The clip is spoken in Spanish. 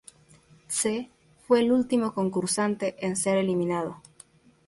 Tse fue el último concursante en ser eliminado.